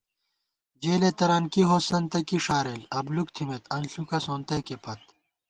جېلےتران کی ہوسند تہ کی ݭارېل، ابلُوک تھِمېت انݪُکہ سونتَئیکےپت